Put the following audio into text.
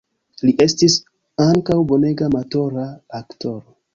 Li estis ankaŭ bonega amatora aktoro.